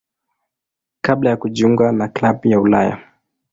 kabla ya kujiunga na klabu ya Ulaya.